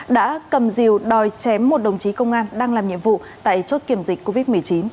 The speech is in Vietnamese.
đã cầm diều đòi chém một đồng chí công an đang làm nhiệm vụ tại chốt kiểm dịch covid một mươi chín